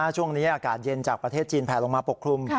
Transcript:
ช่วงนี้อากาศเย็นจากประเทศจีนแผลลงมาปกคลุม